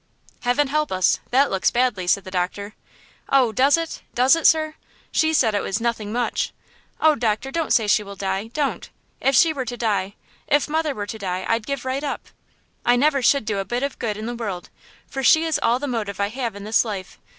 "Heaven help us! that looks badly," said the doctor. "Oh, does it?–does it, sir? She said it was 'nothing much.' Oh, doctor, don't say she will die–don't! If she were to die, if mother were to die, I'd give right up! I never should do a bit of good in the world, for she is all the motive I have in this life!